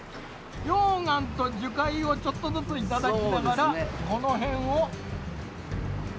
溶岩と樹海をちょっとずついただきながらこのへんを。